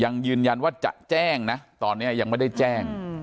ยังยืนยันว่าจะแจ้งนะตอนนี้ยังไม่ได้แจ้ง